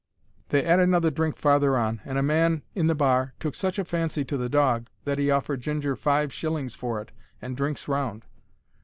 They 'ad another drink farther on, and a man in the bar took such a fancy to the dog that 'e offered Ginger five shillings for it and drinks round.